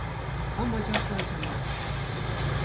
Кам ачашлӗ ачама?